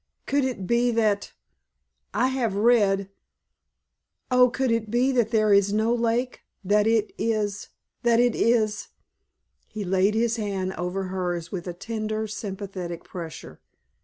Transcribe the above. Could it be that—I have read—oh, could it be that there is no lake—that it is—that it is——" He laid his hand over hers with a tender, sympathetic pressure.